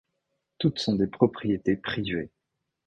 Toutes sont des propriétés privées.